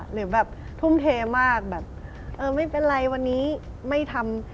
หรือแบบทุ่มเทมากแบบเออไม่เป็นไรวันนี้ไม่ทำ